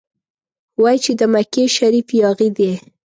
وايي چې د مکې شریف یاغي دی.